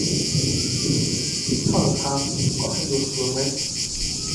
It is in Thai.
ถ้าหลงทางให้ดูหลักกิโลเมตร